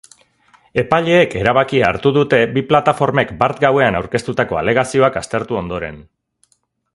Epaileek erabakia hartu dute bi plataformek bart gauean aurkeztutako alegazioak aztertu ondoren.